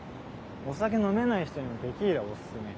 お酒飲めない人にテキーラおすすめ。